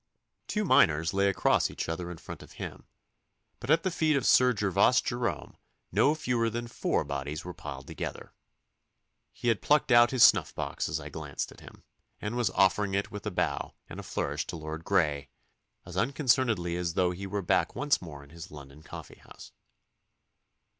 Two miners lay across each other in front of him, but at the feet of Sir Gervas Jerome no fewer than four bodies were piled together. He had plucked out his snuff box as I glanced at him, and was offering it with a bow and a flourish to Lord Grey, as unconcernedly as though he were back once more in his London coffee house.